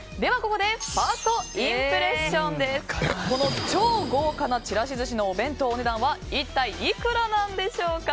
この超豪華なちらし寿司のお弁当お値段は一体いくらなのでしょうか。